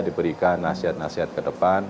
diberikan nasihat nasihat ke depan